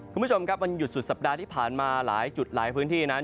คุณผู้ชมครับวันหยุดสุดสัปดาห์ที่ผ่านมาหลายจุดหลายพื้นที่นั้น